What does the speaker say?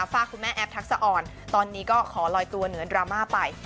ฝากคุณแม่แอฟทักษะอ่อนตอนนี้ก็ขอลอยตัวเหนือดราม่าไป